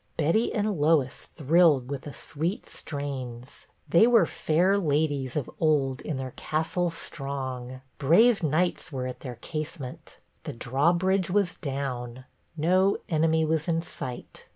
Betty and Lois thrilled with the sweet strains ; they were fair ladyes of old in their castle strong ; brave knights were at their casement; the drawbridge was down; no enemy was in sight.